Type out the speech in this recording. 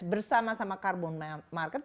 bersama sama carbon market